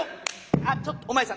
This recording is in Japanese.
「あっちょっとお前さん